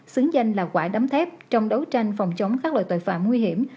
xứng danh là quả đấm thép trong đấu tranh phòng chống các loại tội phạm nguy hiểm